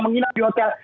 menginap di hotel